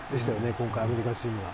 今回アメリカチームは。